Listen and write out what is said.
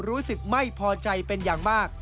รู้สึกไม่พอใจเป็นอย่างมาก